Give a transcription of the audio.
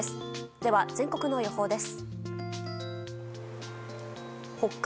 では、全国の予報です。